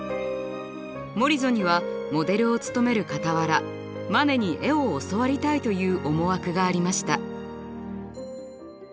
モリゾにはモデルをつとめる傍らマネに絵を教わりたいという思惑がありました。